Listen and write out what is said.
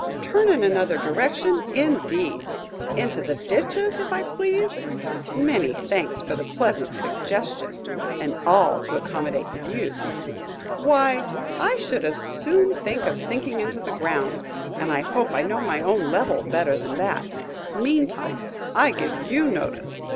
Turn in another direction, indeed!–into the ditches if I please–many thanks for the pleasant suggestion–and all to accommodate you! Why, I should as soon think of sinking into the ground, and I hope I know my own level better than that! Meantime, I give you notice.